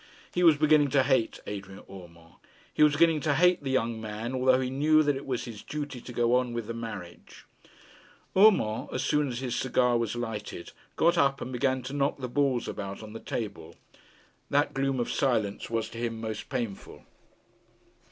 He was beginning to hate Adrian Urmand. He was beginning to hate the young man, although he knew that it was his duty to go on with the marriage. Urmand, as soon as his cigar was lighted, got up and began to knock the balls about on the table. That gloom of silence was to him most painful.